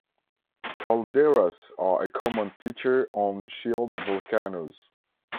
Calderas are a common feature on shield volcanoes.